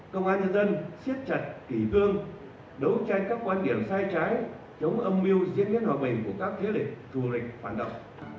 công an dân dân siết chặt kỷ vương đấu tranh các quan điểm sai trái chống âm mưu diễn viên hòa bình của các thế lịch thù lịch phản động